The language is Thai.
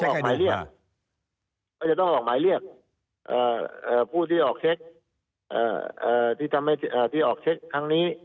ก็จะต้องออกหมายเรียกผู้ที่ออกเช็คทางนี้